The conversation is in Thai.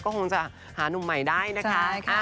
ก็คงจะหาหนุ่มใหม่ได้นะคะค่ะค่ะใช่ค่ะ